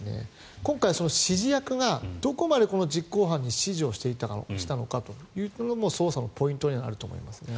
今回、指示役がどこまで実行犯に指示をしていたのかというところも捜査のポイントにはなると思います。